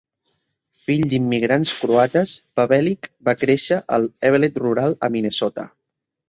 Fill d'immigrants croates, Pavelich va créixer a la Eveleth rural, a Minnesota.